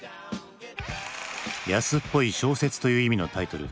「安っぽい小説」という意味のタイトル